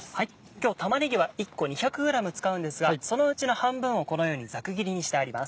今日玉ねぎは１個２００ｇ使うんですがそのうちの半分をこのようにざく切りにしてあります。